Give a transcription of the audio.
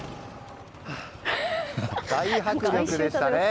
大迫力でしたね。